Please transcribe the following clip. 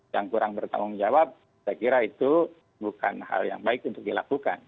yang kurang bertanggung jawab saya kira itu bukan hal yang baik untuk dilakukan